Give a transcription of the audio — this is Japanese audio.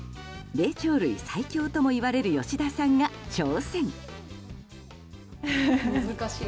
霊長類最強ともいわれる吉田さんが挑戦。